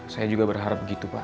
saya juga berharap begitu pak